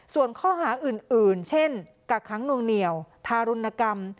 ส่วนข้อหาอื่นเช่นกักค้างนวงเหนียวทารุณกรรม